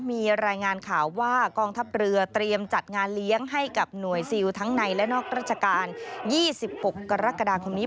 มีรายงานข่าวว่ากองทัพเรือเตรียมจัดงานเลี้ยงให้กับหน่วยซิลทั้งในและนอกราชการ๒๖กรกฎาคมนี้